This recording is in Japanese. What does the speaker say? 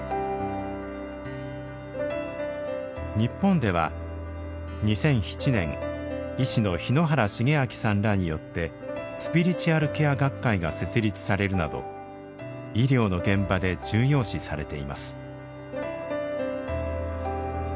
日本では２００７年医師の日野原重明さんらによってスピリチュアルケア学会が設立されるなど医療の現場で重要視されています。